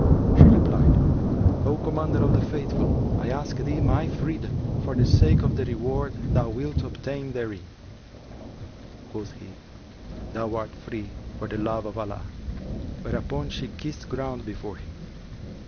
She replied, 'O Commander of the Faithful, I ask of thee my freedom, for the sake of the reward thou wilt obtain therein.'[FN#364] Quoth he, 'Thou art free for the love of Allah;' whereupon she kissed ground before him.